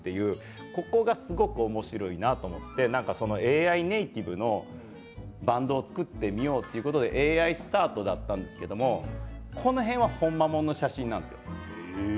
ここがすごくおもしろいなと思ってなんかＡＩネイティブのバンドを作ってみようということでＡＩスタートだったんですけれど下の方は本物の写真なんですよ。